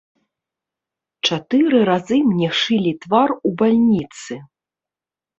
Чатыры разы мне шылі твар у бальніцы.